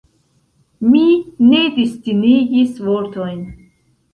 Mi ne distingis vortojn.